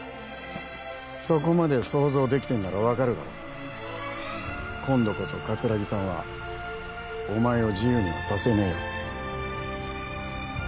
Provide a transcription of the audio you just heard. そこまで想像できてんなら分かるだろ今度こそ桂木さんはお前を自由にはさせねえよ